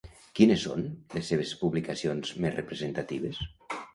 Quines són les seves publicacions més representatives?